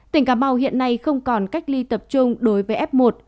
tỉnh cà mau hiện nay không còn cách ly tập trung đối với f một